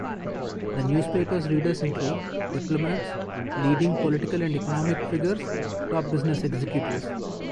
The newspaper's readers include diplomats, leading political and economic figures, top business executives.